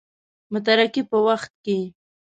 متارکې په وخت کې.